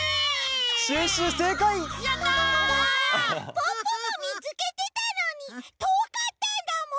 ポッポもみつけてたのにとおかったんだもん！